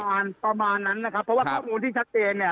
ประมาณประมาณนั้นนะครับเพราะว่าข้อมูลที่ชัดเจนเนี่ย